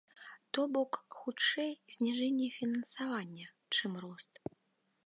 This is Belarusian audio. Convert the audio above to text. То бок, хутчэй, зніжэнне фінансавання, чым рост.